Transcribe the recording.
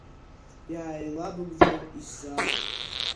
Иааилабыгӡазар, исзааг.